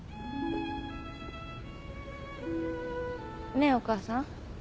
ねえお母さん。